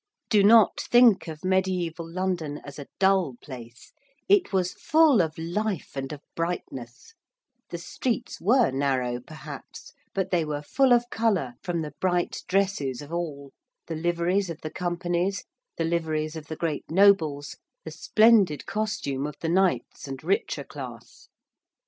Do not think of mediæval London as a dull place it was full of life and of brightness: the streets were narrow perhaps, but they were full of colour from the bright dresses of all the liveries of the Companies the liveries of the great nobles the splendid costume of the knights and richer class.